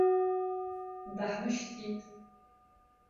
Даҳмышьҭит.